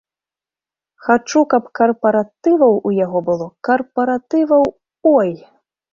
Хачу, каб карпаратываў у яго было, карпаратываў, ой!